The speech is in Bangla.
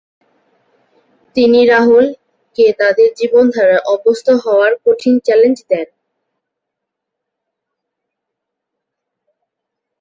তিনি "রাহুল"কে তাদের জীবনধারায় অভ্যস্ত হওয়ার কঠিন চ্যালেঞ্জ দেন।